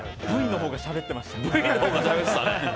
Ｖのほうがしゃべってました。